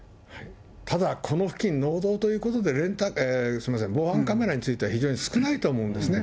ただ、この付近、農道ということで、防犯カメラについては非常に少ないと思うんですね。